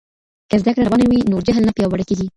که زده کړه روانه وي نو جهل نه پیاوړی کېږي.